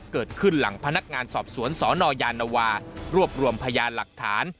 เกิดขึ้นหลังพนักงานสอบสวนสนยานวารวบรวมพยานหลักฐาน